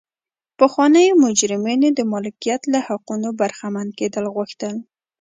پخوانیو مجرمینو د مالکیت له حقونو برخمن کېدل غوښتل.